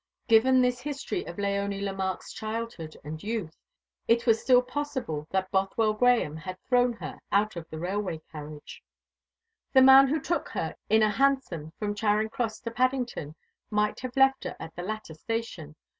Given this history of Léonie Lemarque's childhood and youth, it was still possible that Bothwell Grahame had thrown her out of the railway carriage. The man who took her in a hansom from Charing Cross to Paddington might have left her at the latter station.